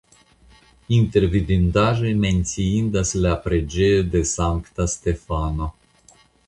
Inter vidindaĵoj menciindas la preĝejo de Sankta Stefano.